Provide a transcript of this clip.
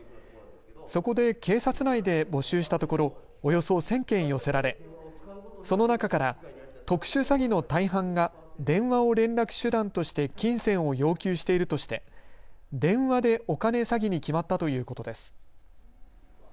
そこで警察内で募集したところおよそ１０００件寄せられその中から特殊詐欺の大半が電話を連絡手段として金銭を要求しているとして電話でお金詐欺に決まったということです。